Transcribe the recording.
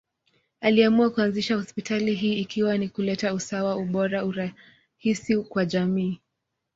Aliamua kuanzisha hospitali hii ikiwa ni kuleta usawa, ubora, urahisi kwa jamii.